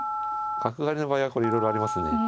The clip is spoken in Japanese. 角換わりの場合はこれいろいろありますね。